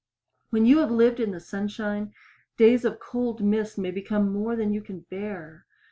When you have lived in the sunshine, days of cold mist may become more than you can bear.